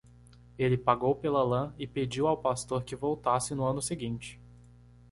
Ele pagou pela lã e pediu ao pastor que voltasse no ano seguinte.